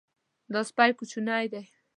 دا سپی کوچنی دی.